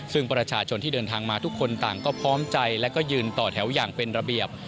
ซึ่งประชาชนที่เดินทางมาทุกคนต่างก็พร้อมใจและก็ยืนต่อแถวอย่างเป็นระเบียบ